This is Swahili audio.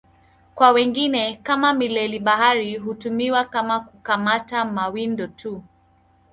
Kwa wengine, kama mileli-bahari, hutumika kwa kukamata mawindo tu.